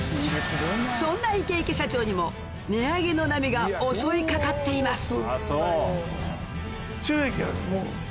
そんなイケイケ社長にも値上げの波が襲い掛かっています